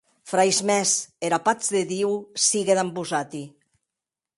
Frairs mèns, era patz de Diu sigue damb vosati.